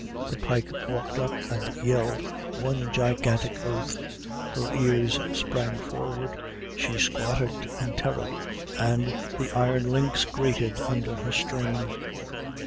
The Pike walked up and yelled one gigantic oath; her ears sprang forward, she squatted in terror, and the iron links grated under her strain.